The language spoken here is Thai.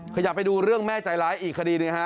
ขยับไปดูเรื่องแม่ใจร้ายอีกคดีหนึ่งฮะ